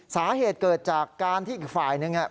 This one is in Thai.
สาเหตุเกิดจากการที่อีกฝ่ายนึง